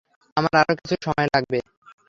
আমার আরো কিছু সময় লাগবে।